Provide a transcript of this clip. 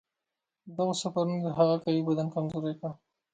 دغو سفرونو د هغه قوي بدن کمزوری کړ.